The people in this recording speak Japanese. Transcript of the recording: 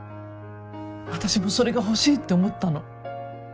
私もそれが欲しいって思ったの。